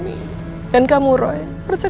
mama dengerin ya ma